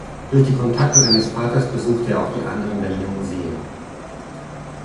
Durch die Kontakte seines Vaters besuchte er auch die anderen Berliner Museen.